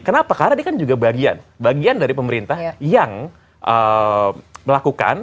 kenapa karena dia kan juga bagian bagian dari pemerintah yang melakukan